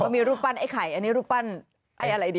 มีรูปปั้นไอ้ไข่อันนี้รูปปั้นไอ้อะไรดี